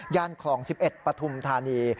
ย่านคลอง๑๑ปฐุมธานี